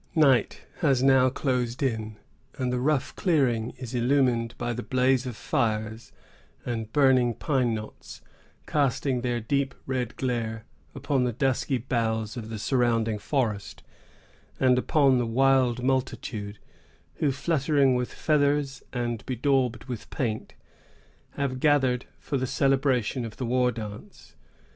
Night has now closed in; and the rough clearing is illumined by the blaze of fires and burning pine knots, casting their deep red glare upon the dusky boughs of the surrounding forest, and upon the wild multitude who, fluttering with feathers and bedaubed with paint, have gathered for the celebration of the war dance.